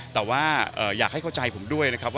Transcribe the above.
แต่อยากให้เข้าใจผมด้วย